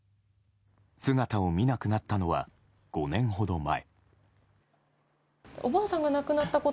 姿を見なくなったのは５年ほど前。